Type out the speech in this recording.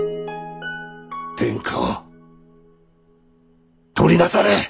天下を取りなされ！